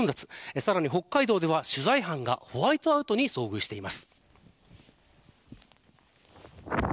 さらに北海道では取材班がホワイトアウトに遭遇しています。